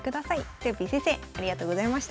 とよぴー先生ありがとうございました。